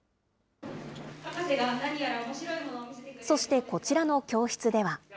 そして、こちらの教室では。